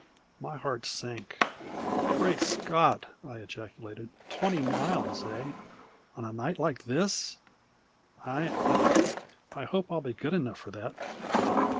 My heart sank. "Great Scott!" I ejaculated. "Twenty miles, eh? On a night like this I I hope I'll be good enough for that."